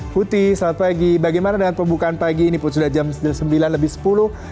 putih selamat pagi bagaimana dengan pembukaan pagi ini pun sudah jam sembilan lebih sepuluh